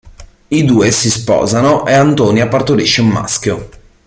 I due si sposano e Antonia partorisce un maschio.